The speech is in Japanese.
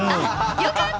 よかった！